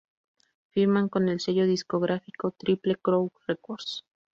Firman con el sello discográfico Triple Crown Records.